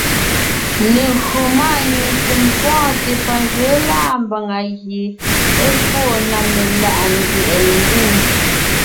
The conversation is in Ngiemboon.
Légÿo máanyìŋ ntsèm pɔ́ɔnte panzwɛ̌ lâ mbàŋa gie é fóo meláʼa ndyɛ̀ʼɛ mbiŋ.